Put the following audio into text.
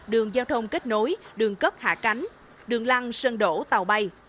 đường giao thông kết nối đường cất hạ cánh đường lăng sân đổ tàu bay